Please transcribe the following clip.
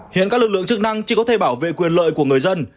hiện các lực lượng chức năng chỉ có thể bảo vệ quyền lợi của người dân